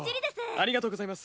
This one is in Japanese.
ありがとうございます。